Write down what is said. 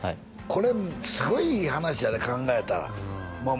これすごいいい話やで考えたらまあ